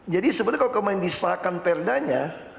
jadi sebetulnya kalau kemudian disahkan per danya